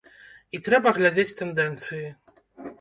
І трэба глядзець тэндэнцыі.